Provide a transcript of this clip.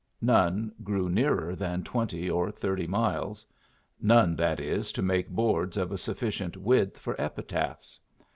None grew nearer than twenty or thirty miles none, that is, to make boards of a sufficient width for epitaphs.